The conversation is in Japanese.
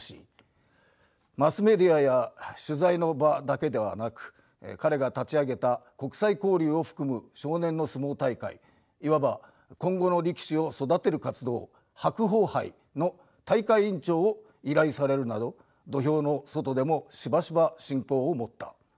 マスメディアや取材の場だけではなく彼が立ち上げた国際交流を含む少年の相撲大会いわば今後の力士を育てる活動「白鵬杯」の大会委員長を依頼されるなど土俵の外でもしばしば親交を持った。